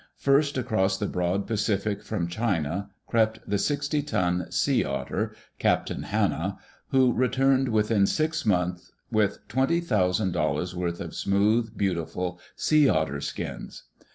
First across the broad Pacific, from China, crept the sixty ton Sea Otter, Captain Hanna, who returned within six months with twenty thousand dol lars' worth of smooth, beautiful sea otter skins.